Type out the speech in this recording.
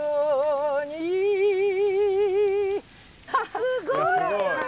すごいよ！